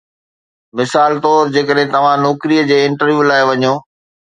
مثال طور جيڪڏهن توهان نوڪريءَ جي انٽرويو لاءِ وڃو